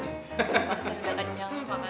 masa enggak kenyang makasih